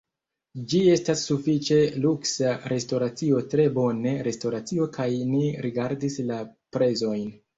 ĝi estas sufiĉe luksa restoracio tre bone restoracio kaj ni rigardis la prezojn